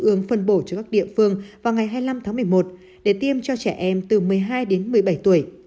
ương phân bổ cho các địa phương vào ngày hai mươi năm tháng một mươi một để tiêm cho trẻ em từ một mươi hai đến một mươi bảy tuổi